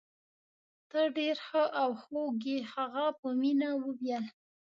ته ډیر ښه او خوږ يې. هغه په مینه وویل.